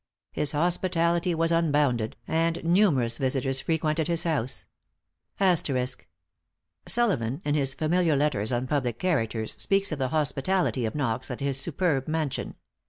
His hospitality was unbounded, and numerous visitors frequented his house. Sullivan, in his "Familiar Letters on Public Characters," speaks of the hospitality of Knox at his superb mansion.